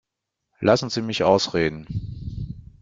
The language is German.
Lassen Sie mich ausreden.